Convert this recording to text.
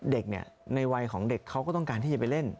เด็กในวัยของเด็กเขาก็ต้องการที่จะไปเล่น